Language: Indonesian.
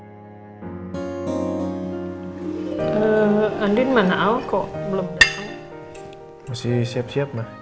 nanti saya baca chat gue sampe sekarang